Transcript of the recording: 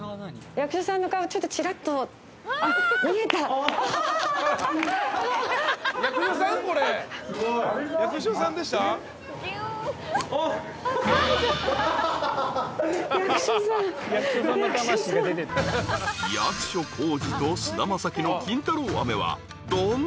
［役所広司と菅田将暉の金太郎飴は］